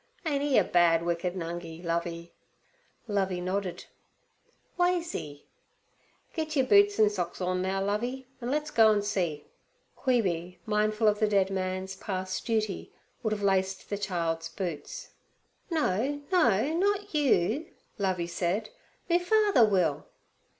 Ain't 'e a bad, wicked Nungi, Lovey?' Lovey nodded. 'Ways 'e?' 'Git yer boots an' socks orn now, Lovey, an' le's go an' see. Queeby, mindful of the dead man's past duty, would have laced the child's boots. 'No, no, not you,' Lovey said; 'me father will.